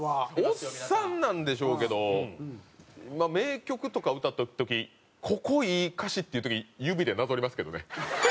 おっさんなんでしょうけど名曲とか歌った時ここいい歌詞！っていう時指でなぞりますけどね。